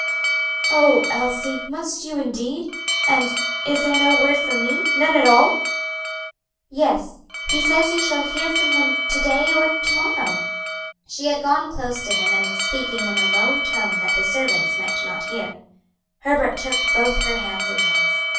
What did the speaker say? "Oh, Elsie, must you indeed? and is there no word for me none at all?" "Yes, he says you shall hear from him to day or to morrow." She had gone close to him and was speaking in a low tone that the servants might not hear. Herbert took both her hands in his.